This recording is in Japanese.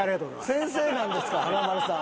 先生なんですか華丸さん。